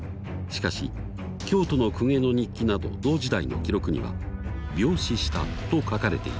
しかし京都の公家の日記など同時代の記録には病死したと書かれていた。